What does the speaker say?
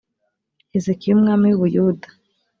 hezekiya umwami w u buyuda